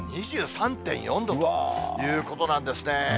今、２３．４度ということなんですね。